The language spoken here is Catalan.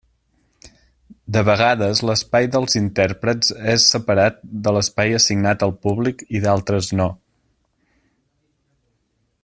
De vegades l'espai dels intèrprets és separat de l'espai assignat al públic i d'altres no.